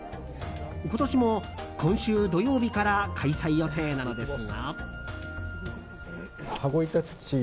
今年も今週土曜日から開催予定なのですが。